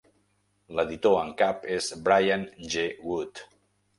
L'editor en cap és Bryant G. Wood.